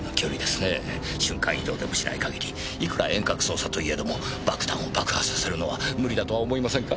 瞬間移動でもしない限りいくら遠隔操作といえども爆弾を爆破させるのは無理だとは思いませんか？